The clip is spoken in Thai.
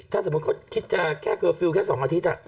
ถ้าสมมุติเขาคิดจะแค่เคอร์ฟิลล์แค่๒อาทิตย์